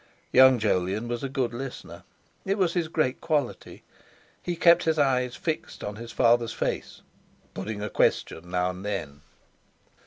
Young Jolyon was a good listener; it was his great quality. He kept his eyes fixed on his father's face, putting a question now and then.